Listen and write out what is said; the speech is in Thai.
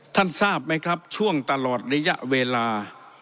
ทราบไหมครับช่วงตลอดระยะเวลา